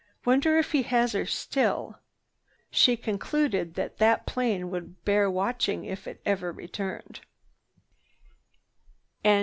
Wonder if he has her still?" She concluded that plane would bear watching if it ever returned.